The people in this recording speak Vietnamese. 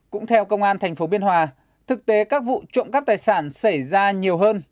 cũng theo công an tp biên hòa thực tế các vụ trộm cắp tài sản xảy ra nhiều hơn